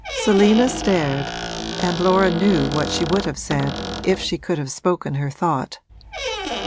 Selina stared and Laura knew what she would have said if she could have spoken her thought.